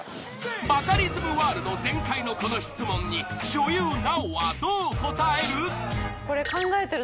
［バカリズムワールド全開のこの質問に女優奈緒はどう答える？］